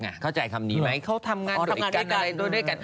เขาอาจารย์คำนี้ไหมเขาทำงานด้วยกันค่ะ